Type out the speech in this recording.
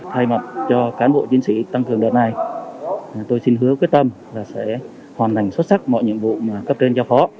thay mặt cho can bộ chiến sĩ tăng cường đợt này tôi xin hứa quyết tâm sẽ hoàn thành xuất sắc mọi nhiệm vụ cấp trên cho phó